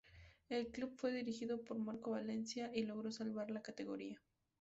El club fue dirigido por Marco Valencia y logró salvar la categoría.